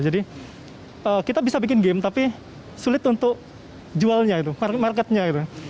jadi kita bisa bikin game tapi sulit untuk jualnya itu market nya itu